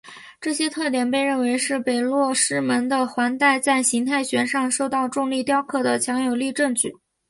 这些特点被认为是北落师门的环带在形态学上受到重力雕刻的强有力证据。